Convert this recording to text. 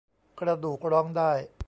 กระดูกร้องได้